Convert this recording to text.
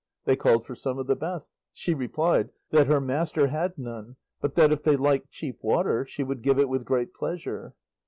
They called for some of the best. She replied that her master had none, but that if they liked cheap water she would give it with great pleasure.